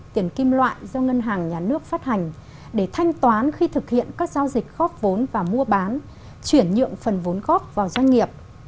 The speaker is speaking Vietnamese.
tiền kim loại do ngân hàng nhà nước phát hành để thanh toán khi thực hiện các giao dịch góp vốn và mua bán chuyển nhượng phần vốn góp vào doanh nghiệp